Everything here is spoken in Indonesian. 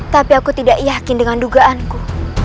tapi aku tidak yakin dengan dugaanku